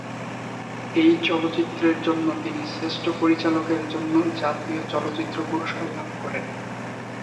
এই চলচ্চিত্রের জন্য তিনি শ্রেষ্ঠ পরিচালকের জন্য জাতীয় চলচ্চিত্র পুরস্কার লাভ করেন।